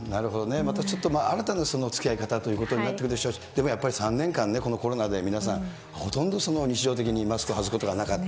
またちょっとね、新たなつきあい方ということになってくるでしょうし、でもやっぱり３年間ね、このコロナで皆さん、ほとんど日常的にマスクを外すことがなかった。